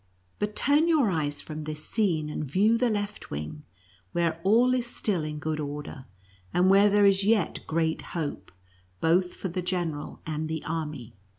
But turn your eyes from this scene, and view the left wing, where all is still in good order, and where there is yet great hope, both for the general and the army.